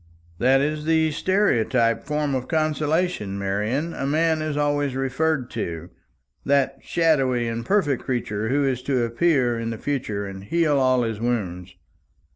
"That is the stereotyped form of consolation, Marian, a man is always referred to that shadowy and perfect creature who is to appear in the future, and heal all his wounds.